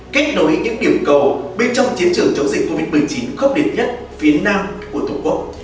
kết nối những điểm cầu bên trong chiến trường chống dịch covid một mươi chín khốc liệt nhất phía nam của tổ quốc